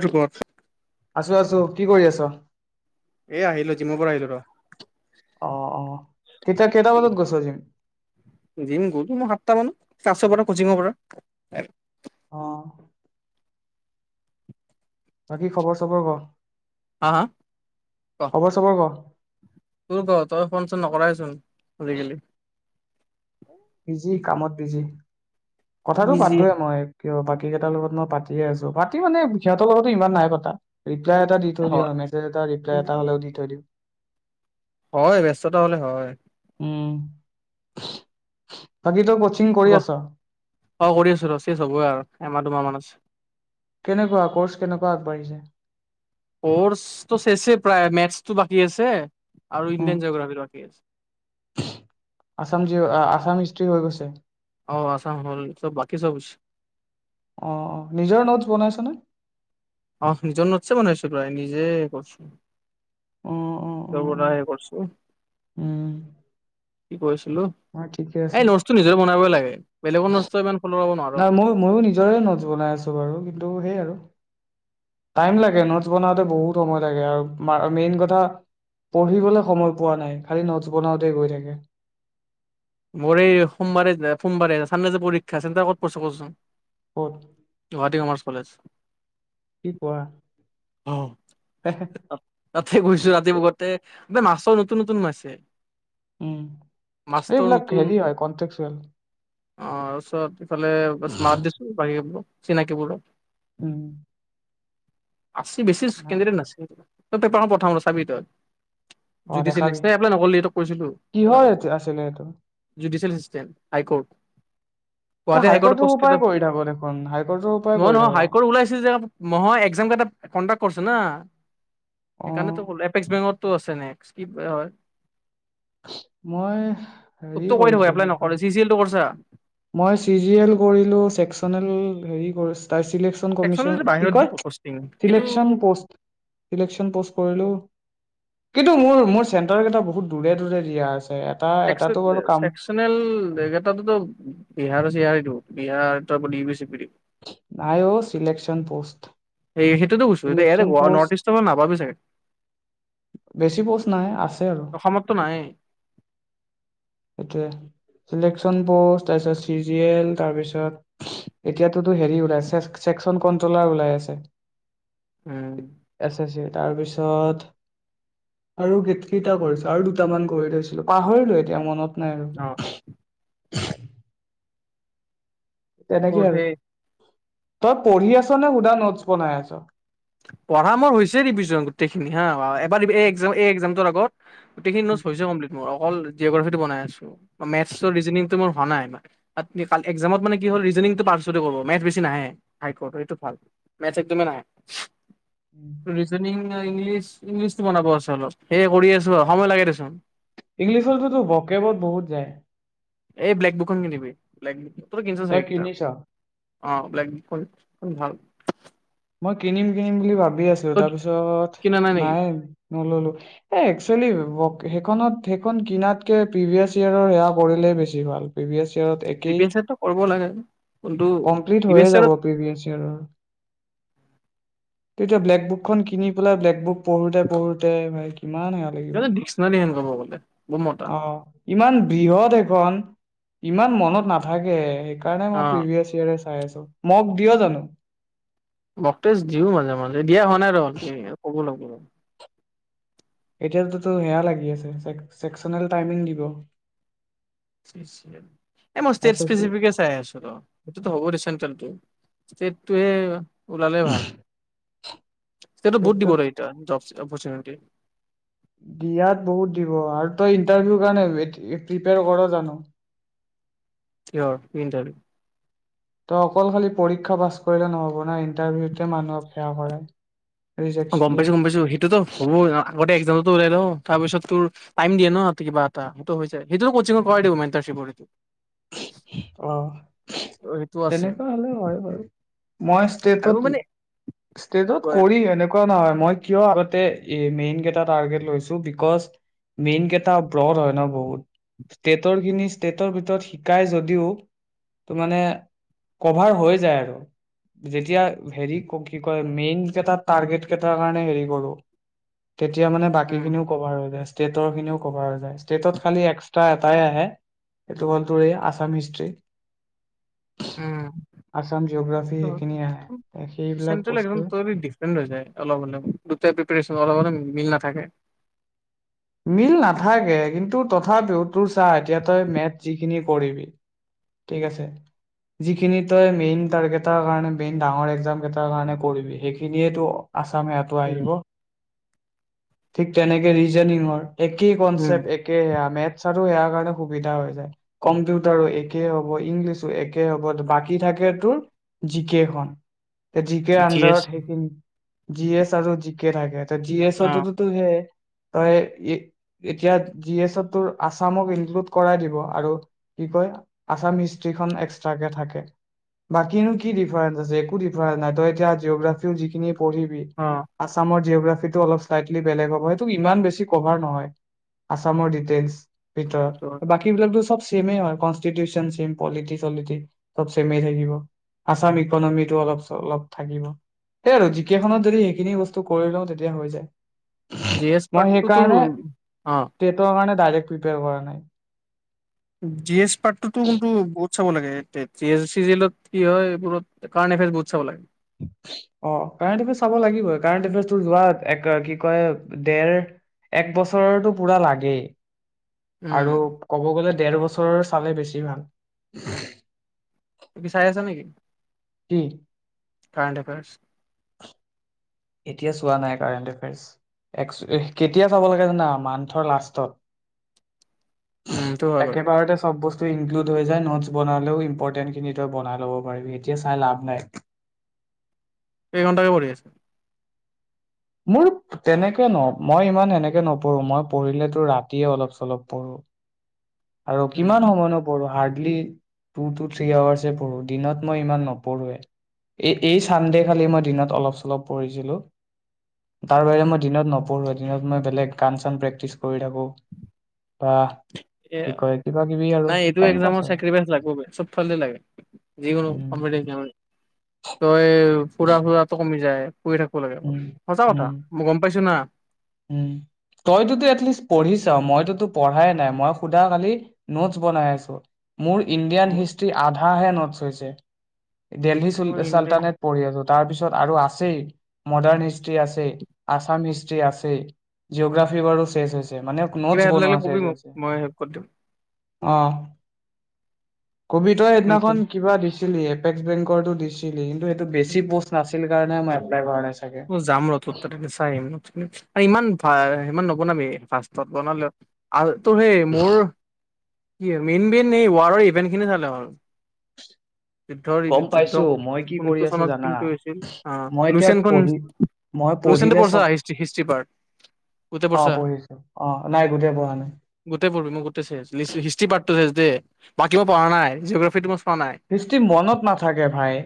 ওপৰত আছো, আছো। কি কৰি আছ? এই আহিলো, জিমৰ পৰা আহিলো ৰ। অ', অ', তেতিয়া কেইটা বজাত গৈছ জিম? জিম গ'লো মই সাতটা মানত ক্লাছৰ পৰা কচিঙৰ পৰা। অ'। বাকী খবৰ চবৰ ক? হা হা ক খবৰ চবৰ ক? তোৰ ক, তই ফোন চোন নকৰয় চোন। আজি কালি বিজি কামত বিজি কথাটো বিজি পাতোয়ে মই। কিয় বাকী কেইটাৰ লগত মই পাতিয়ে আছো পাতি মানে সিহঁতৰ লগতো ইমান নাই পাতা ৰিপ্লায় এটা দি থৈ দিওঁ হয় আৰু মেছেজ এটা ৰিপ্লায় এটা হ'লেও দি থৈ দিওঁ। হয়, ব্যস্ততা হ'লে হয়। উম, বাকীটো হ'ব, অ', কৰি আছো ৰ' চোন হ'বই আৰু আমাৰ দুই মাহ‌ মান আছে। কেনেকুৱা ক'ৰ্চ কেনেকুৱা আগবাঢ়িছে? কৰ্চটো শেছে প্ৰায় মেথছটো বাকী আছে। আৰু উম ইণ্ডিয়ান জোগ্ৰাফি বাকী আছে। আছাম জি আছাম [inaudible] অ', আছাম হ'ল চব বাকী চব অ', নিজৰ নোটছ বনাইছনে? অ', নিজৰ নোটছে বনাইচো প্ৰায় নিজে কৰছো। অ অ অ অ তই বনা নাই। উ উম। কি কৰিছ অ ঠিকে আছে এই নচটো নিজৰে বনাবই লাগে বেলেগৰ ন' মান নাই, মই ময়ো নিজৰে নজ বনাই আছো বাৰু কিন্তু সেই আৰু টাইম লাগে নোটছ বনাওঁতে বহুত সময় লাগে আৰু মেইন কথা পঢ়িবলে সময় পোৱা নাই খালি নোটছ বনাওঁতে গৈ থাকে। মোৰ এই সোমবাৰে য সোমবাৰে চানডে যে পৰীক্ষা চেণ্টাৰ ক'ত পৰছে কচোন? ক'ত গুৱাহাটী কমাৰ্চ কলেজ কি কোৱা? অ। তাতে গৈছো ৰাতিপুৱাতে এ মাষ্টৰ নতুন নতুন সোমাইছে। উম। এইবিলাক নতুন হেৰি হয় কনটেক্সুৱেল তাৰপিছত ইফালে [unintelligible] মাৰ্ দি চিনাকি বোৰৰ উম। আছে বেছি নাই কেন্দীডেট নাছিল। পেপাৰ খন পঠাম ৰ চাবি তই। অ দেখাবি জুডিচিয়েলিস্ত এ, এইবিলাক নকলি এইটো কৈছিলো। কিহৰ এইটো আছিলে এইটো জুডিচিয়েলিস্ত। হাইকৰ্ট। তই গুৱাহাটী হাইকৰ্টৰ পোষ্ট সোপাই কেইটা। কৰি থাক দেখোন হাইকৰ্টৰ সোপাই কৰি নহয়-নহয় থাক হাইকৰ্ট অ ওলাইছিল যে [unintelligible] কনডাক্ট কৰচে না। সেইকাৰণেতো হ'ল, এপেচ বেংকত তো এছ এনেক্স কি হয়। মই হেৰি তোকতো কৈ থাকো কৰিছো এপ্লাই কি নকৰ, কয় চি চিল তো কৰছা। মই চিজিয়েল কৰিলো চেকচনেল হেৰি অচ তাৰ চিলেকশন চেকচনেল কমিচন, যে কি বাহিৰত কয়, দিব পষ্টিং সেইটো চিলেকচন পষ্ট, চিলেকচন প'ষ্ট কৰিলো। কিন্তু মোৰ-মোৰ চেণ্টাৰ কেইটা বহুত দূৰে দূৰে দিয়া আছে এট [unintelligible] চেকচনেল জেগাটোতো বিহাৰ আছে ইয়াৰ এইটো, বিহাৰ [unintelligible] নাই অ চিলকশন পোষ্ট। সেয়ে সেইটোতো কৈছো, এয়া ইতে নৰ্থ ইষ্টৰ পৰা নাপাবি চাগে, বেছি পষ্ট নাই আছে আৰু অসমতটো নাইয়েই। এতিয়া, ইলেকশন প'ষ্ট তাৰপাছত S S C G L তাৰপিছত এতিয়াতোতো হেৰি ওলাই ছেকচন কন্ট্ৰলাৰ ওলাই আছে। উম। তাৰ পিছত, আৰু গেট কেইটা কৰিছা আৰু দুটামান কৰি থৈছিলো পাহৰি লোৱে এতিয়া মনত নাই আৰু অ'। [inaudible] তেনেকে আৰু বঢ়ে। তই পঢ়ি আছ' নে সুধা নোটছ বনাই আছ'? পঢ়া মোৰ হৈছে ৰিভিজন গোটেইখিনি হা এবাৰ উম, এই-এই এক্জাম তোৰ আগ গোটেইখিনি উম, নোটছ হৈছে কম্লিট মোৰ অ' হল জিঅগ্ৰাফীটো বনাই আছো, মেথচ্ তো ৰিজনিং তো মোৰ হোৱা নাই ইমান [unintelligible] এক্জামত মানে কি হ'ল ৰিজনিটো [unintelligible] মেথছ্ বেছি নাহে হাইকৰ্টত এইটোত ভাল, মেথছ্ একদমে নাহে। উম। [inaudible] ৰিজনিং ইংলিছ ইংলিছটো বনাব আছে অলপ, সেয়ে কৰি আছো আৰু সময় লাগে দেচোন। ইংলিছতোতো ভকেবত বহুত যায়। এই ব্লেকবুক খন কিনিবি, ব্লেক বুক। তই কিনিছ' চাগে কিতাপ? অ', ব্লেক বুক খন ভাল। মই কিনিম কিনিম বুলি ভাব ভাবি আছো তই তাৰপিছত কিনা নেকি নাই। নল'লো এ, একচুৱেলি সেইখনত সেইখন কিনাতকে পিভিএছ ইয়েৰৰ সেয়া কৰিলেই বেছি ভাল প্ৰিভিয়েচ একেই, প্ৰিভিয়াছ ইয়েৰটো কৰিব লাগে কোনটো কমপ্লিট প্ৰিভিয়াছ হৈয়ে ইয়েৰত যাব প্ৰিভিয়েছ ইয়েৰৰ। তেতিয়া ব্লেক বুকখন কিনি পেলাই ব্লেক বুক পঢ়োতে পঢ়োতে কিমান এয়া লাগিব, সিহঁতে ডিক্সনাৰী হেন ক'ব গ'লে বহুত মতা অ ইমান বৃহৎ এক ইমান মনত নাথাকে কাৰণে অ মই প্ৰিভিয়াছ ইয়েৰে চাই আছো মোক দিয় জানো? মকতেষ্ট দিও মাজে মাজে দিয়া হোৱা নাই ৰ কব লাগব এতিয়তো সেয়া লাগি আছে চেকচনেল টাইমিং দিব। মই ৰাজ্য এছ এছ নিৰ্দিষ্ট ছাই আছো ৰ সেইটোয়ে ওলালে ভাল। এতিয়াটো চি বহুত দিব টোত এতিয়া জব অপৰ্চুনিটি দিয়াত বহুত দিব আৰু তই ইণ্টাৰভিউ কাৰণে প্ৰিপেয়াৰ কৰ জানো? কিয় কি ইণ্টাৰভিউ? তই অকল খালি পৰীক্ষা পাছ কৰিলে নহব ন ইণ্টাৰভিউতে মানুহক সেৱা কৰা। অ গম পাইছো গম পাইছো সেইটোতো হ'ব গোটেই এক্সামতো ওলাই লওঁ তাৰপিছত তোৰ টাইম দিয় ন কিবা এটা সেইটো হৈছে সেইটো কচিঙৰ কৰাই দিব মেণ্টাৰিপ সটো অ সেইটো আছে তেনেকুৱা হলে হয় বাৰু মই আৰু ষ্টেটত মানে ষ্টেটত কৰি এনে ন মই কিয় আগতে মেইন কেইটা টাৰ্গেট লৈছো বিকজ মেইন কেইটা ব হয় ন বহুত ষ্টেটৰ খিনি ষ্টৈটৰ ভিত শিকাই যদিও ত মানে কভাৰ হৈ যায় আৰু যেতিয়া হেৰী কি কয় মেইন কেই টাৰ্গে কেইটাৰ কাৰণে হে কৰো তেতিয়া মানে বাকী উম খিনিও কভাৰ হৈ যায়। ষ্টেটৰ খিনিও কভাৰ হয় যায়। ষ্টেটত খালি এক টা এটাই আহে এইটো তৰে আছাম হিষ্টষ্ট্ৰী। উম সেইখিনি আহে সেইবিলাক চেনত্ৰেল একজাম বস্তুৰ তথাপিও দিফাৰয়েন্ট অলপ হৈ যায় অলপ হ'লেও দুটা প্ৰিপাৰেচন মিল ন থাকে। মিল নাথাকে কিন্তু তথাপিও তোৰ চাহ এতিয়া তই মেথ যিখিনি কৰিবি ঠিক আছে যিখিনি তই মেইন তাৰগেটাৰ কাৰণে মেইন ডাঙৰ একজাম কেইটাৰ কাৰণে কৰিবি সেইখিনিয়েটো আছামেহতো উম আহিব। ঠিক তেনেকে জনিঙৰ- একেই উম কনচেপ্ট একে সেয়া মেথছ ইয়াৰ কাৰণে সুবিধা হৈ জাই কম্পিউটাৰে একে হব ইংলিছো একে হব বাকী থাকে তোৰ জিকেইখন। তে জিকেৰ জি এছ আন্দাৰত হেখিনি। জি এছ আৰু জি কে থাকে। তে জি এছ অ অত ত হইয়া এই। অ' তই এতিয়া জি এছত তোৰ আছামক ইনক্লুড কৰাই দিব আৰু কি কয় আছাম হিষ্ট্ৰিখন এক্সট্ৰকে থাকে বাকিনো কি ডিফাৰেঞ্চ আছে একো ডিফাৰেস নাই তই এতিয়া জিঅগ্ৰফিও যিখিনি পঢ়িবি অ অসমৰ জেওগ্ৰাফীতে অলপ শ্লাইটলী বেলেগ হব। ইমান বেছি কভাৰ নহয় অসমৰ ডিটেইলছ। ভিতৰত সেইটো হয় বাকী বিলাকো তে স্ব চেমে এই হৈ কংস্তিটোতিওন চেম, পলিতী চলিটো স্ব সমে এই থাকিব অসম ইকনমী তে অলপ অলপ থাকিব সেই আৰু জিকেইখনত যদি সেইখিনি বস্তু কৰি লওঁ তেতিয়া হৈ যায়। জি এছ মই পাৰ্টটো তোৰ সেইকাৰণে, অ টেটৰ মাৰ্ক ডাইৰেক্ট প্ৰিপৰে কৰা নাই। জি এছ [unintelligible] [unintelligible] কিন্তু বহুত চাব লাগে [unintelligible] কি হয় এইবোৰতট কাৰেণ্ট এফাইৰ বহুত চাব লাগে। অ' কাৰেণ্ট এফাইৰা পচাব লাগিবই কাৰেণ্ট এফেয়াৰো কি কয় দেৰ এক বছৰটো পুৰা লাগেই। উম আৰু কব গলে দেৰ বছৰৰ চালে বেছি ভাল। তুমি চাই আছা নেকি? কি কাৰেণ্ট এফেইৰ। এতিয়া চোৱা নাই কাৰেণ্ট এফাইটে কেতিয়া চাব লাগে জনা মন্থৰ লাষ্টত। উম সেইটো হয় বাৰু আকেবাৰতাই ছব বস্তু ইনক্লুড হৈ জাই নোটছ বনালেও ইম্পৰটেন্ট খিনি তই বনাই ল'ব পাৰিবি এতিয়া চাই লাভ নাই। কে ঘণ্টাকৈ পঢ়ি আছ? মোৰ তেনেকে ন মই ইমান এনেকে নপহো। মই পহিলে তোৰ ৰাতিয়ে অলপ-চলপ পঢ়ো। আৰু কিমান উম সময়ো নো পঢ় হাৰ্ড- খালী ত্ব-থ্ৰী হাউৰ্ছএই পঢ়োঁ। দিনত মই ইমান নপঢ়োৱে। এই-এই চানডে খালি মই দিনত অলপ-চলপ পঢ়িছিলো। তাৰ বাহিৰে মই দিনত নপ পৰু এ দিনত মই বেলেগ গান চান প্ৰেক্টিচ কৰি থাকো। বা এ কি কয় কিবা কিবি আৰু নাই এইটো টাইম এজাম পাছ ত আৰু ছেক্ৰিফাইচ লাগবো বেহ চবফালে লগে যিকোনো উম কম্পেটাতিভে এক্সমত। তই পুৰা ঘোঁৰাটো ক কমি যায়। পঢ়ি থাকিব লাগে অকল, উম সঁচা কথা উম মই গম পাইছো না। উম তইটোটো এটলিষ্ট পঢ়িছ মইতোতো পঢ়ায়ে নাই মই শুদা খালি নোটছ বনাই আছো। মোৰ ইণ্ডিয়ান হিষ্ট্ৰি আধ হা হে নট্‌চ হৈছে। দেল্হী চুল মোৰ ইনদে চালটানেট পঢ়ি আছো। তাৰ পিছত আৰু আছেই মডাৰ্ণ হিষ্ট্ৰীি আছেই আছাম হিষ্ট্ৰ্ৰী আছে। জিঅ'গ্ৰাফি বাৰো শেষ হৈছে মানে কিবা নোটছ হেল্প লাগিলে বনোৱা কবি চেচ মোক, হৈছে মই হেল্প কৰি দিম। অ'। কবি তই সদিনাখন কিবা দিছে। ছিলি এপেস্ক বেংকৰতো দিছিলি? সেইটো বেছি পোষ্ট নাছিলে। [unintelligible] উ, যাম ৰ, তোৰ তাতে গে চাই আহিম নোটচ খিনি। ইমান ভা সিমান নবনাবি ফাৰ্ষ্টত বনালেও আৰু তোৰ হেই মোৰ কি, মেইন, মেইন এই ৱাৰৰ ইভেন্ট খিনি চালে হ'ল। যুদ্ধৰ, গম যুদ্ধ পাইছো মই কি কৰি কোনটো আছো চনত জানা কিন্তু হৈছিল আহ, মই এতিয়া লুচেনখন পঢ়ি মই লুচেনটো পঢ়িলে পঢ়ছা চব, হিষ্ট্ৰী হিষ্ট্ৰী পাৰ্ট গোটেই পঢ়ছা অ', পঢ়িছো অ', নাই গোটেই পঢ়া নাই। গোটেই পঢ়িবি মো [unintelligible] হিষ্ট্ৰী পাৰ্ট [unintelligible] বাকী মই পঢ়া নাই জগ্ৰাফিটো মই চোৱা নাই হিষ্ট্ৰি মনত নাথাকে ভাই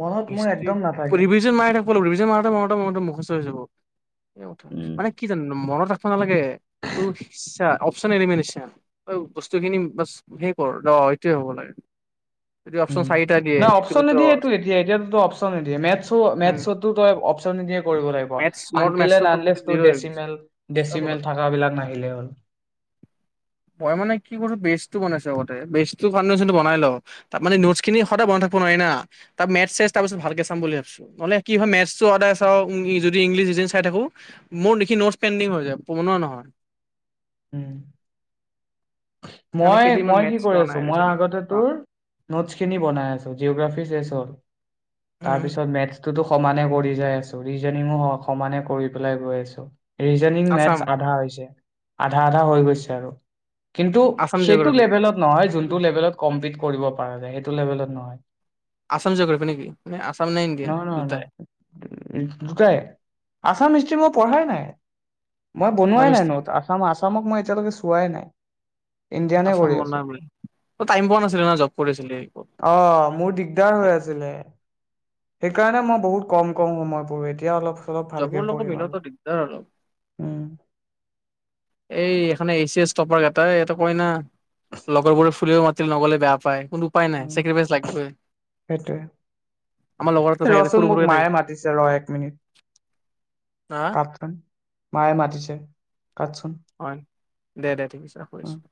মনত মোৰ হিষ্ট্ৰি একদম নাথাকে ৰিভিজন মাৰি থাকিব লাগিব, ৰিভিজন মাৰোত, মাৰোতে, মাৰোতে মুখস্থ হৈ যাব। এই কথা উম মানে কি জান মনত নালাগে তোৰ ইচ্ছা অপচন এলিমেননিচা বস্তু খিনি হে কৰ দ সেটোৱে হ'ব লাগে। যদি অপচন চাৰিটা দিয়ে অ' এইটো অপশচন ভিতৰত নিদিয়েতো এতিয়া। এতিয়া অপচন নিদিয়ে। মেটচও উম মেটচতো তই আফচন নিদিয়াকৈ কৰিব লাগিব, মেথছ মোৰ আন্তিল মেথছটো এন্দ টটেলি আনলেচ তোৰ জিৰ' হৈ গৈছে ডচিমেল চাব লাগিব ডচিমেল থকাবিলাক নাহিলেই হ'ল। টো বনাইছ আগতে বেচতো আৰু ফাউন্দচনতো বনায় ল, তাৰমানে নোটচখিনি সদায় বনায় থাকিব নোৱাৰি না। চেষ্টা কৰিছো ভালকৈ চাম বুলি ভাবিছো। নহলে কি হয় মেটচটো সদায় চাও যদি ইংলিছ দুদিন চাই থাকো মোৰ নিখি নোটচ পেডিং হৈ যায়। বনোৱা নহয়। উম কাৰণে মই কেইদিনমান মই কি মেথছ কৰি লোৱা আছো। নাই মই ৰিজনিং আগতে অ তোৰ নোটছ খিনি বনাই আছো। জিঅগ্ৰাফি শেষ হ'ল। উম তাৰপিছত মেটচথ তো সমানে কৰি যাই আছো। ৰিজনিংও হয় সমানে কৰি পেলাই গৈ আছো। ৰিজনিং মেথছ আছাম আধা হৈছে। আধা আধা হৈ গৈছে আৰু কিন্তু? আছাম সেইটো জিঅ'গ্ৰাফী লেভেলত নহয় যোনটো লেভেলত কম্পিতি কৰিব পাৰা যায় সেইটো লেভেলত নহয়। আছাম জিঅ'গ্ৰাফী নেকি নে আছাম নে ইণ্ডিয়ান নহয় নহয়। নাই দুটাই দুটায়ে আছাম হিষ্ট্ৰী মোৰ পঢ়াই নাই। মই বনোৱাই আছামিছ নাই ন'তচ আছাম আছামক মই এতিয়ালৈকে চোৱাই নাই। ইণ্ডিয়ানে আছাম কৰি আছো। বনাই বোলে তই টাইম পোৱা নাছিলি না জব কৰিছিলি অহ মোৰ দিগদাৰ হৈ আছিলে। সেইকাৰণে মই বহুত কম কম সময় পঢ়ো এতিয়া অলপ চলপ ভালকে জবৰ লগত পঢ়িম আৰু মিলোৱাটো দিগদাৰ আৰু। উম এই এইখনে এ চি এছ টপাৰ কেইটাই ইয়াতে পঢ়ে না। লগৰবোৰে ফুৰিব মাতিলে নগ'লে বেয়া পায়। কিন্তু উপায় নাই চেক্ৰিফাইচ লাগিবই সেইটোৱে। আমাৰ লগৰ এটা এ, থাকে সৰু ৰচুন মোক সৰুকে থাকে মায়ে মাতিছে, ৰ, এক মিনিট। হা কাটচোন। মায়ে মাতিছে। কাটচোন হয়, দে দে ঠিক আছে উম [unintelligible]